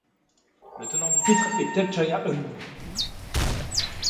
Le tenant du titre est Thepchaiya Un-Nooh.